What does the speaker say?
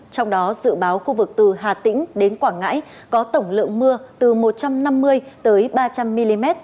trong đó dự báo khu vực từ hà tĩnh đến quảng ngãi có tổng lượng mưa từ một trăm năm mươi ba trăm linh mm